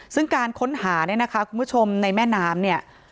ซึ่งการค้นหาเนี่ยนะคะคุณผู้ชมในแม่น้ำเนี่ย